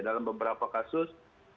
dalam beberapa kasus